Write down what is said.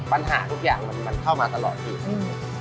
ปัญหาทุกอย่างมันเข้ามาตลอดอยู่ครับ